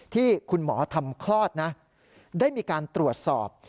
ที่คุณหมอทำคลอดนะได้มีการตรวจสอบ